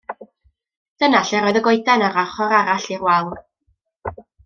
Dyna lle'r oedd y goeden yr ochr arall i'r wal.